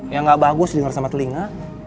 yang gak bagus dengar sama telinga